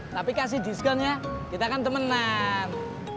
tapi kasih diskon ya kita kan temenan